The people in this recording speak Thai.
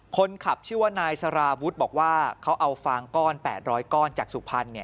คนขับชื่อว่านายสาราวุฒิบอกว่าเขาเอาฟางก้อน๘๐๐ก้อนจากสุพรรณ